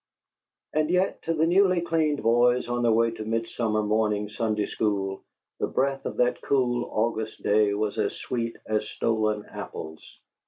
And yet, to the newly cleaned boys on their way to midsummer morning Sunday school, the breath of that cool August day was as sweet as stolen apples.